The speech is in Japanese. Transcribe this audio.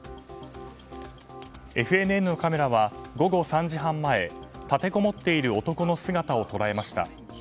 ＦＮＮのカメラは、午後３時半前立てこもっている男の姿を捉えました。